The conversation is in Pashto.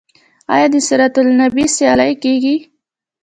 آیا د سیرت النبی سیالۍ کیږي؟